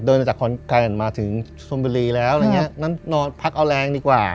เดินจากคนไกลมาถึงสมบูรีแล้วอะไรอย่างนี้นั้นนอนพักเอาแรงดีกว่า